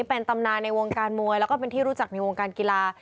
เป็นตำนานในวงการมวยแล้วก็เป็นที่รู้จักในวงการกีฬา